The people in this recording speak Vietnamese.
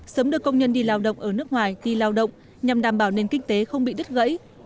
sớm đưa công nhân đi lao động ở nước ngoài đi lao động nhằm đảm bảo nền kinh tế không bị đứt gãy